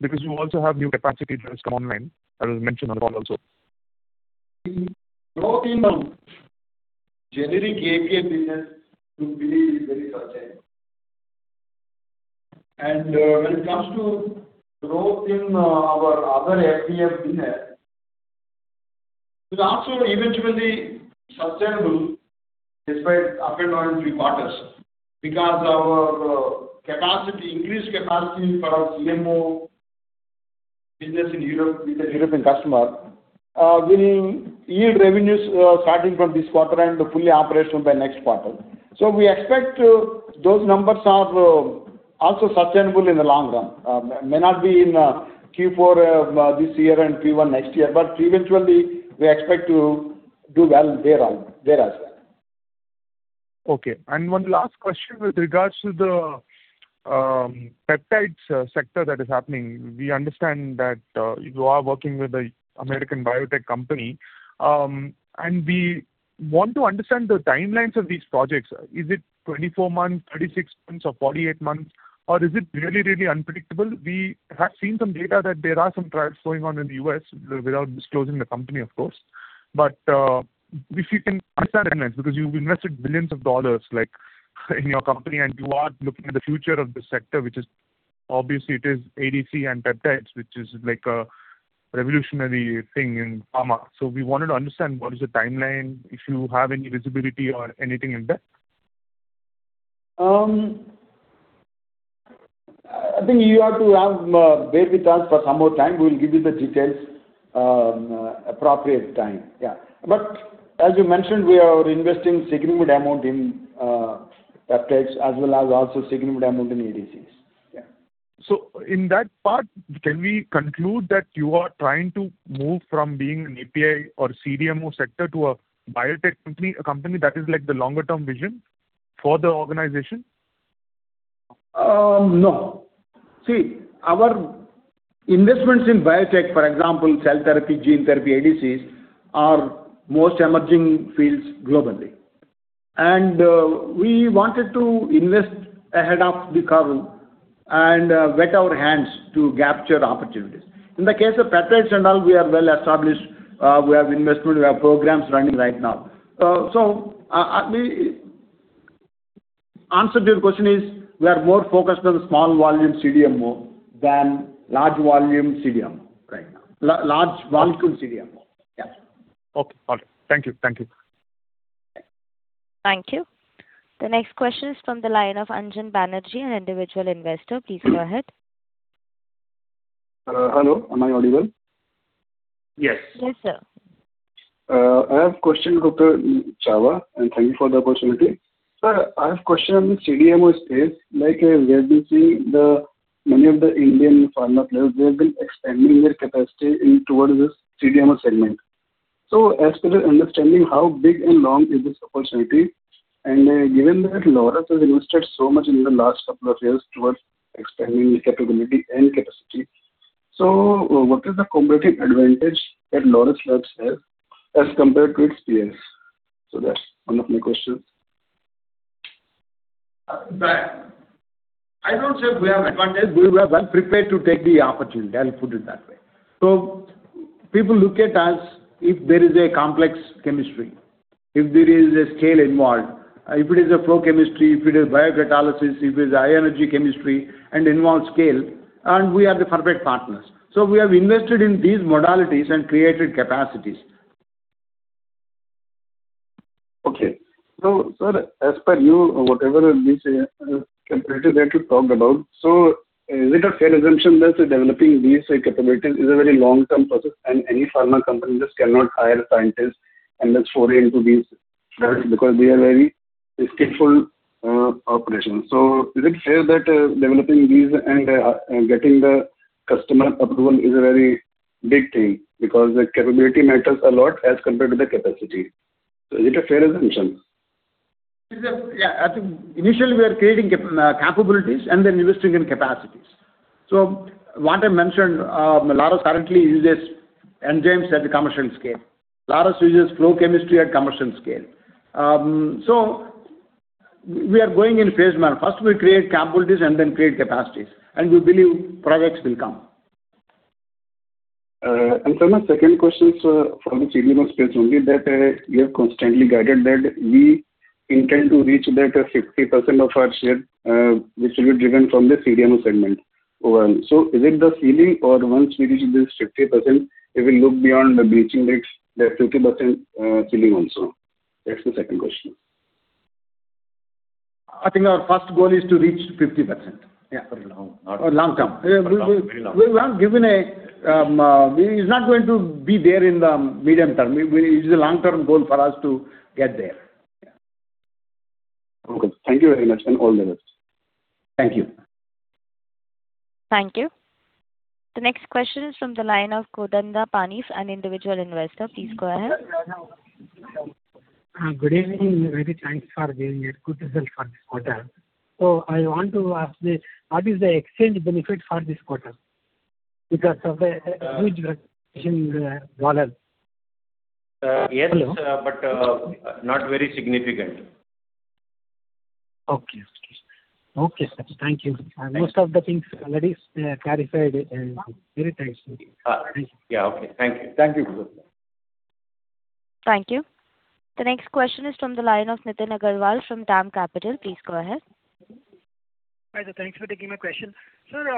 Because you also have new capacity just online, as I mentioned earlier also. The growth in generic API business could be very sustainable. When it comes to growth in our other FDF business, it will also eventually be sustainable despite up and down three quarters because our increased capacity for our CMO business in Europe with a European customer will yield revenues starting from this quarter and fully operational by next quarter. We expect those numbers are also sustainable in the long run. May not be in Q4 this year and Q1 next year, but eventually, we expect to do well there as well. Okay. And one last question with regards to the peptides sector that is happening. We understand that you are working with an American biotech company, and we want to understand the timelines of these projects. Is it 24 months, 36 months, or 48 months, or is it really, really unpredictable? We have seen some data that there are some trials going on in the U.S. without disclosing the company, of course. But if you can understand timelines because you've invested billions of dollars in your company, and you are looking at the future of the sector, which is obviously it is ADC and peptides, which is like a revolutionary thing in pharma. So we wanted to understand what is the timeline, if you have any visibility or anything like that. I think you have to bear with us for some more time. We will give you the details at an appropriate time. Yeah. But as you mentioned, we are investing a significant amount in peptides as well as also a significant amount in ADCs. Yeah. So in that part, can we conclude that you are trying to move from being an API or CDMO sector to a biotech company, a company that is like the longer-term vision for the organization? No. See, our investments in biotech, for example, cell therapy, gene therapy, ADCs are most emerging fields globally. And we wanted to invest ahead of the curve and wet our hands to capture opportunities. In the case of peptides and all, we are well established. We have investment. We have programs running right now. So the answer to your question is we are more focused on small volume CDMO than large volume CDMO right now, large volume CDMO. Yeah. Okay. All right. Thank you. Thank you. Thank you. The next question is from the line of Anjan Banerjee, an individual investor. Please go ahead. Hello. Am I audible? Yes. Yes, sir. I have a question for Dr. Chava, and thank you for the opportunity. Sir, I have a question on the CDMO space. Like we have been seeing many of the Indian pharma players, they have been expanding their capacity towards this CDMO segment. As per understanding, how big and long is this opportunity? Given that Laurus has invested so much in the last couple of years towards expanding the capability and capacity, what is the competitive advantage that Laurus Labs has as compared to its peers? That's one of my questions. I don't say we have advantage. We were well prepared to take the opportunity. I'll put it that way. So people look at us if there is a complex chemistry, if there is a scale involved, if it is a flow chemistry, if it is biocatalysis, if it is high-energy chemistry, and involves scale, and we are the perfect partners. So we have invested in these modalities and created capacities. Okay. So sir, as per you, whatever these competitors that you talked about, so is it a fair assumption that developing these capabilities is a very long-term process, and any pharma company just cannot hire scientists and just foray into these because they are very skillful operations? So is it fair that developing these and getting the customer approval is a very big thing because the capability matters a lot as compared to the capacity? So is it a fair assumption? Yeah. I think initially, we are creating capabilities and then investing in capacities. So what I mentioned, Laurus currently uses enzymes at the commercial scale. Laurus uses flow chemistry at commercial scale. So we are going in phase I. First, we create capabilities and then create capacities. And we believe projects will come. Sir, my second question is for the CDMO space only that you have constantly guided that we intend to reach that 50% of our share which will be driven from the CDMO segment overall. So is it the ceiling, or once we reach this 50%, it will look beyond the breaching rates? That 50% ceiling also. That's the second question. I think our first goal is to reach 50%. Yeah, for a long term. We are not going to be there in the medium term. It is a long-term goal for us to get there. Okay. Thank you very much and all the best. Thank you. Thank you. The next question is from the line of Kodandapani, an individual investor. Please go ahead. Good evening. Thank you very much for being here. Good result for this quarter. So I want to ask you, what is the exchange benefit for this quarter because of the huge reduction in the dollar? Yes, but not very significant. Okay. Okay. Thank you. Most of the things already clarified. Very thanks. Thank you. Yeah. Okay. Thank you. Thank you. Thank you. The next question is from the line of Nitin Agarwal from DAM Capital. Please go ahead. Hi there. Thanks for taking my question. Sir,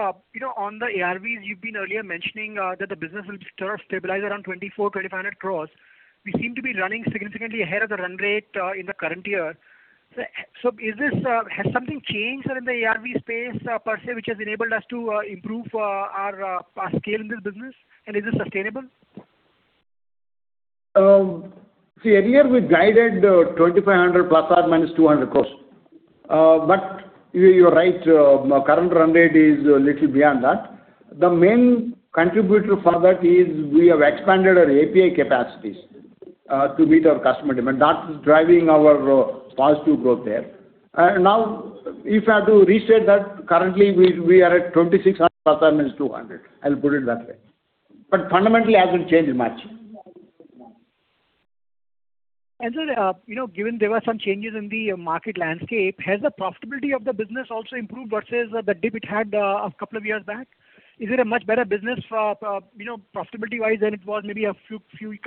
on the ARVs, you've been earlier mentioning that the business will sort of stabilize around 2,400-2,500 crore. We seem to be running significantly ahead of the run rate in the current year. So has something changed in the ARV space per se which has enabled us to improve our scale in this business? And is it sustainable? See, earlier, we guided 2,500 ± 200 crore. But you're right. Current run rate is a little beyond that. The main contributor for that is we have expanded our API capacities to meet our customer demand. That's driving our positive growth there. Now, if I have to restate that, currently, we are at 2,600 rupees ± 200 crore. I'll put it that way. But fundamentally, it hasn't changed much. And sir, given there were some changes in the market landscape, has the profitability of the business also improved versus the dip it had a couple of years back? Is it a much better business profitability-wise than it was maybe a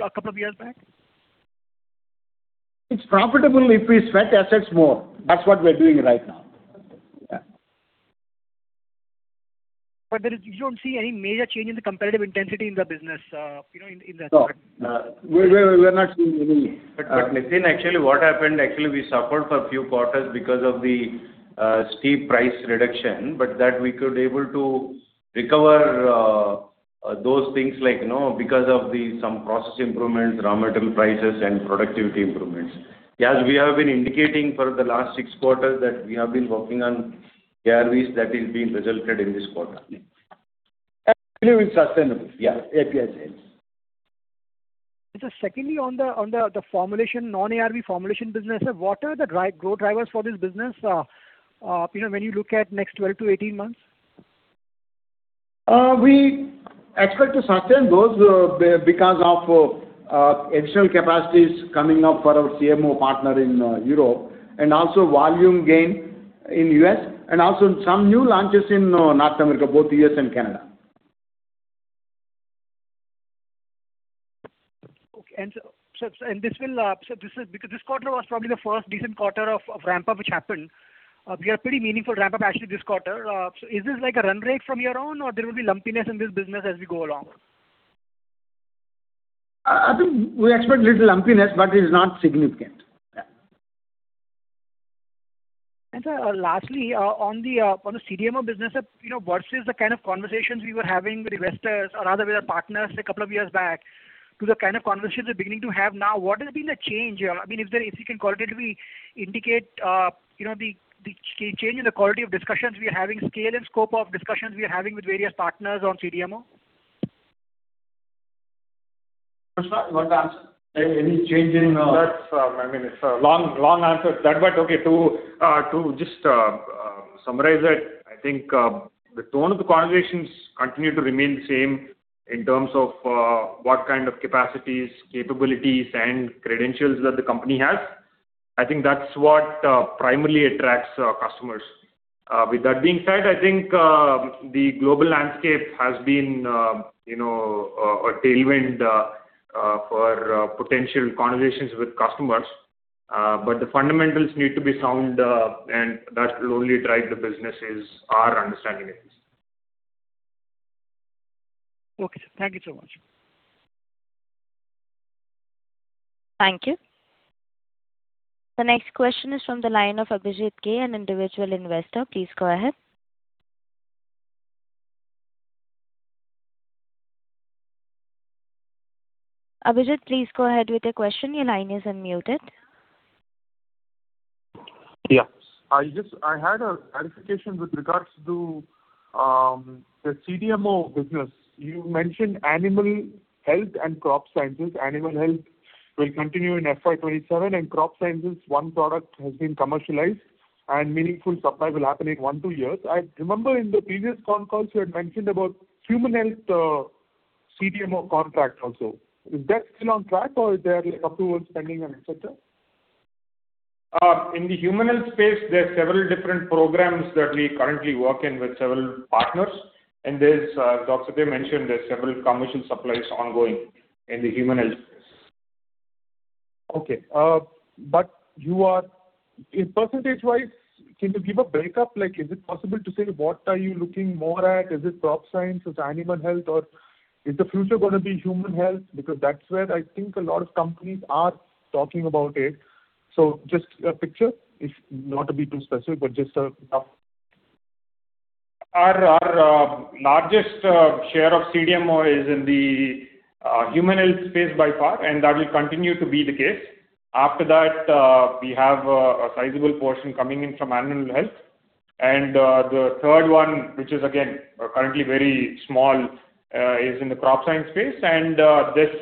couple of years back? It's profitable if we sweat assets more. That's what we're doing right now. Yeah. But you don't see any major change in the competitive intensity in the business in that quarter? No. We're not seeing any. But Nitin, actually, what happened, actually, we suffered for a few quarters because of the steep price reduction, but that we could be able to recover those things because of some process improvements, raw material prices, and productivity improvements. Yes, we have been indicating for the last six quarters that we have been working on ARVs that have been resulted in this quarter. Actually, it's sustainable. Yeah. API sales. Sir, secondly, on the non-ARV formulation business, what are the growth drivers for this business when you look at next 12-18 months? We expect to sustain those because of additional capacities coming up for our CMO partner in Europe and also volume gain in the U.S. and also some new launches in North America, both the U.S. and Canada. Okay. And sir, this will, because this quarter was probably the first decent quarter of ramp-up which happened. We had a pretty meaningful ramp-up, actually, this quarter. So is this like a run rate from year on, or there will be lumpiness in this business as we go along? I think we expect a little lumpiness, but it is not significant. Yeah. Sir, lastly, on the CDMO business versus the kind of conversations we were having with investors or rather with our partners a couple of years back to the kind of conversations we're beginning to have now, what has been the change? I mean, if you can qualitatively indicate the change in the quality of discussions we are having, scale and scope of discussions we are having with various partners on CDMO? I'm sorry. What answer? Any change in? That's, I mean, it's a long answer. But okay, to just summarize it, I think the tone of the conversations continues to remain the same in terms of what kind of capacities, capabilities, and credentials that the company has. I think that's what primarily attracts customers. With that being said, I think the global landscape has been a tailwind for potential conversations with customers. But the fundamentals need to be sound, and that will only drive the business, is our understanding at least. Okay. Thank you so much. Thank you. The next question is from the line of Abhijit K, an individual investor. Please go ahead. Abhijit, please go ahead with your question. Your line is unmuted. Yeah. I had a clarification with regards to the CDMO business. You mentioned animal health and crop sciences. Animal health will continue in FY 2027, and crop sciences, one product has been commercialized, and meaningful supply will happen in one to two years. I remember in the previous phone calls, you had mentioned about human health CDMO contract also. Is that still on track, or is there approval spending and etc.? In the human health space, there are several different programs that we currently work in with several partners. As Dr. K mentioned, there are several commercial supplies ongoing in the human health space. Okay. But percentage-wise, can you give a breakup? Is it possible to say what are you looking more at? Is it crop science, is it animal health, or is the future going to be human health? Because that's where I think a lot of companies are talking about it. So just a picture, if not to be too specific, but just a rough. Our largest share of CDMO is in the human health space by far, and that will continue to be the case. After that, we have a sizable portion coming in from animal health. And the third one, which is again currently very small, is in the crop science space. And this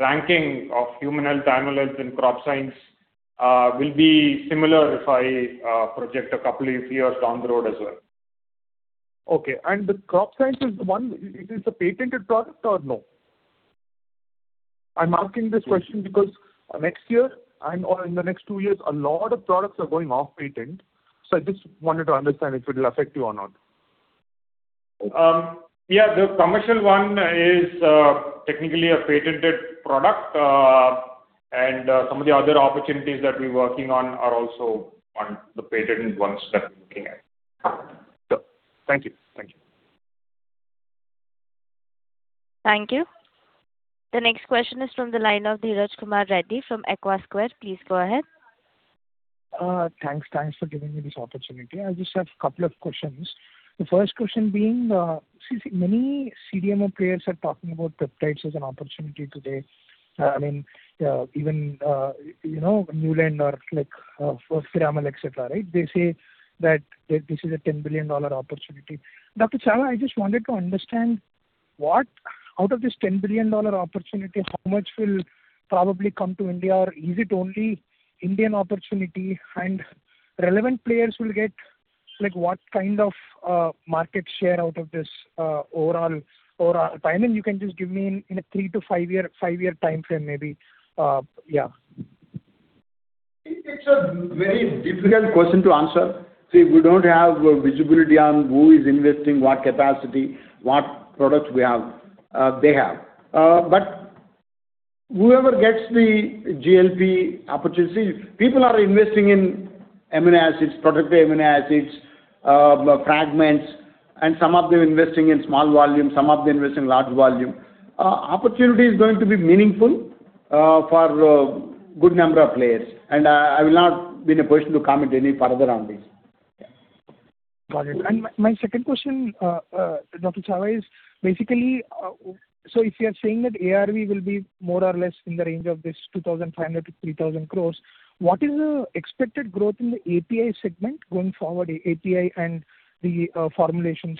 ranking of human health, animal health, and crop science will be similar if I project a couple of years down the road as well. Okay. The crop science is the one? Is it a patented product or no? I'm asking this question because next year and in the next two years, a lot of products are going off-patent. I just wanted to understand if it will affect you or not. Yeah. The commercial one is technically a patented product. Some of the other opportunities that we're working on are also on the patented ones that we're looking at. Sure. Thank you. Thank you. Thank you. The next question is from the line of Dheeraj Kumar Reddy from EquaSquare. Please go ahead. Thanks. Thanks for giving me this opportunity. I just have a couple of questions. The first question being, many CDMO players are talking about peptides as an opportunity today. I mean, even Neuland or First Pharma etc., right? They say that this is a $10 billion opportunity. Dr. Chava, I just wanted to understand what out of this $10 billion opportunity, how much will probably come to India, or is it only Indian opportunity? And relevant players will get what kind of market share out of this overall? I mean, you can just give me in a three- to five-year time frame maybe. Yeah. It's a very difficult question to answer. See, we don't have visibility on who is investing, what capacity, what products we have. They have. But whoever gets the GLP opportunity, people are investing in amino acids, protective amino acids, fragments, and some of them investing in small volume, some of them investing large volume. Opportunity is going to be meaningful for a good number of players. And I will not be in a position to comment any further on this. Got it. And my second question, Dr. Chava, is basically, so if you're saying that ARV will be more or less in the range of 2,500 crore-3,000 crore, what is the expected growth in the API segment going forward, API and the formulations?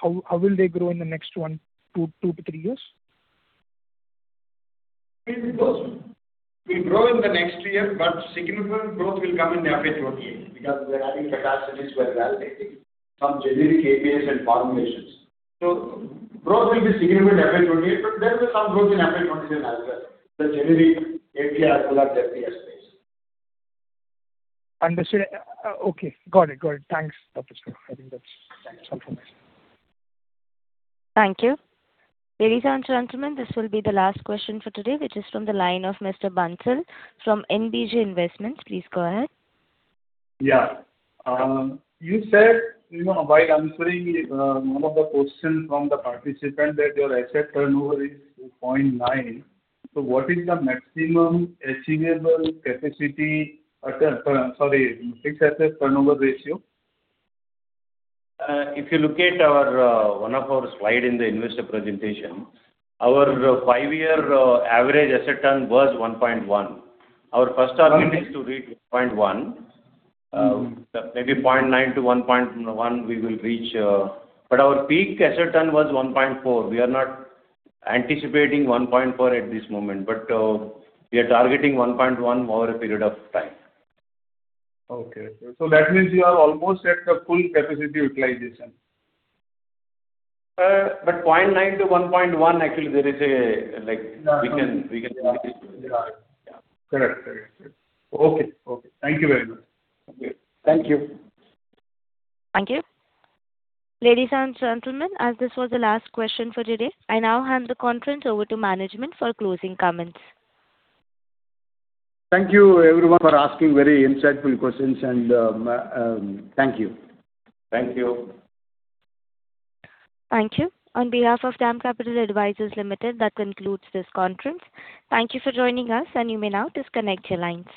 How will they grow in the next two to three years? We grow in the next year, but significant growth will come in FY 2028 because we're adding capacities where we are getting some generic APIs and formulations. So growth will be significant FY 2028, but there will be some growth in FY 2027 as well. The generic APIs will have their TS space. Understood. Okay. Got it. Got it. Thanks, Dr. Chava. I think that's all from me. Thank you. Ladies and gentlemen, this will be the last question for today, which is from the line of Mr. Bansal from NBG Investments. Please go ahead. Yeah. You said while answering one of the questions from the participant that your asset turnover is 0.9. So what is the maximum achievable capacity sorry, fixed asset turnover ratio? If you look at one of our slides in the investor presentation, our five-year average asset turn was 1.1. Our first target is to reach 1.1. Maybe 0.9 to 1.1, we will reach. But our peak asset turn was 1.4. We are not anticipating 1.4 at this moment, but we are targeting 1.1 over a period of time. Okay. That means you are almost at the full capacity utilization. But 0.9-1.1, actually, there is a we can see it. Correct. Correct. Okay. Okay. Thank you very much. Okay. Thank you. Thank you. Ladies and gentlemen, as this was the last question for today, I now hand the conference over to management for closing comments. Thank you, everyone, for asking very insightful questions. Thank you. Thank you. Thank you. On behalf of DAM Capital Advisors Limited, that concludes this conference. Thank you for joining us, and you may now disconnect your lines.